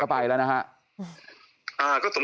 พี่หนุ่ม